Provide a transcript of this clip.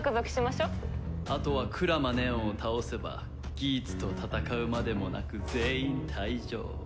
あとは鞍馬祢音を倒せばギーツと戦うまでもなく全員退場。